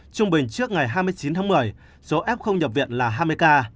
trung bình trước ngày hai mươi chín tháng một mươi số f không nhập viện là hai mươi ca